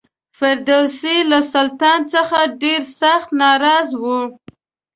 فردوسي له سلطان څخه ډېر سخت ناراض و.